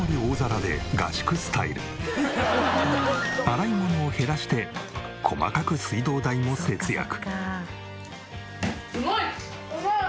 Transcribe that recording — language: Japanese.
洗い物を減らして細かく水道代も節約。